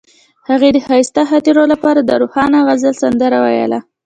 هغې د ښایسته خاطرو لپاره د روښانه غزل سندره ویله.